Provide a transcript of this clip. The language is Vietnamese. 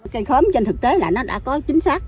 cây khóm trên thực tế là nó đã có chính xác